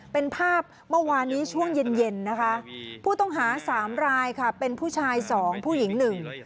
เป็นภาพเมื่อวานนี้ช่วงเย็นเย็นนะคะผู้ต้องหาสามรายค่ะเป็นผู้ชายสองผู้หญิงหนึ่ง